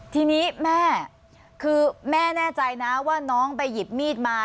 ทีนี้แม่คือแม่แน่ใจนะว่าน้องไปหยิบมีดมา